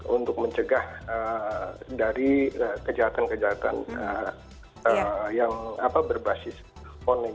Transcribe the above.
untuk mencegah dari kejahatan kejahatan yang berbasis ponik